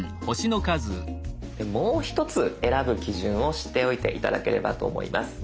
もう一つ選ぶ基準を知っておいて頂ければと思います。